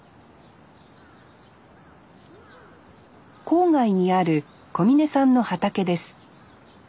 郊外にある小峯さんの畑です。